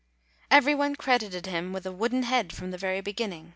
Every one credited him with a wooden head from the very beginning.